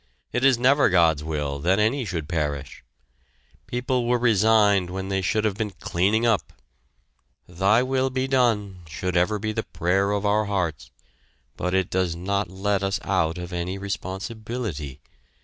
It is never God's will that any should perish! People were resigned when they should have been cleaning up! "Thy will be done!" should ever be the prayer of our hearts, but it does not let us out of any responsibility.